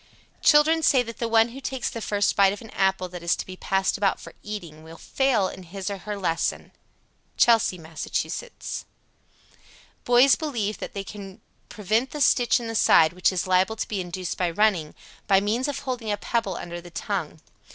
Children say that the one who takes the first bite of an apple that is to be passed about for eating will fail in his or her lesson. Chelsea, Mass. 100. Boys believe that they can prevent the stitch in the side which is liable to be induced by running, by means of holding a pebble under the tongue.